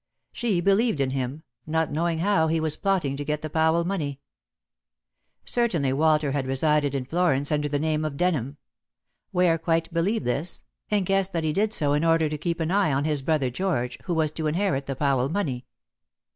She believed in him, not knowing how he was plotting to get the Powell money. Certainly Walter had resided in Florence under the name of Denham. Ware quite believed this, and guessed that he did so in order to keep an eye on his brother George, who was to inherit the Powell money.